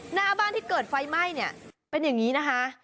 หน้าบ้านที่เกิดไฟไหม้เนี่ยเป็นอย่างนี้นะคะ